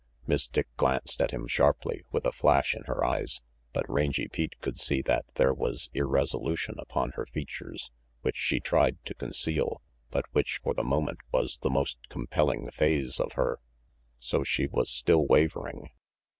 Miss Dick glanced at him sharply, with a flash in her eyes, but Rangy Pete could see that there was irresolution upon her features which she tried to conceal, but which for the moment was the most compelling phase of her. So she was still wavering.